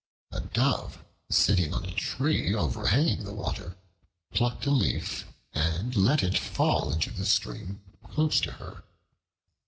A Dove sitting on a tree overhanging the water plucked a leaf and let it fall into the stream close to her.